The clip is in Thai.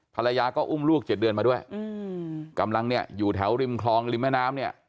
ภรรยาก็อุ้มลูกเจ็ดเดือนมาด้วยกำลังเนี่ยอยู่แถวริมคลองริมแม่น้ำเนี่ย